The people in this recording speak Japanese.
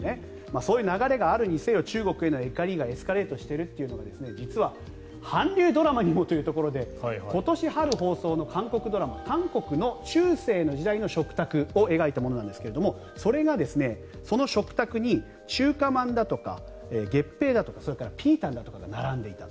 そういう流れがあるにせよ中国への怒りがエスカレートしているのが実は韓流ドラマにもというところで今年春放送の韓国ドラマ韓国の中世の時代の食卓を描いたものなんですがそれがその食卓に中華まんだとか月餅だとかピータンだとかが並んでいた。